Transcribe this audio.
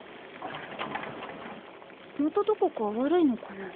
またどこか悪いのかな。